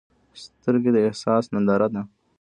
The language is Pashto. سترګې د احساس هنداره ده